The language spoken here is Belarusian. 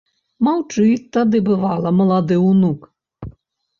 Маўчыць тады, бывала, малады ўнук.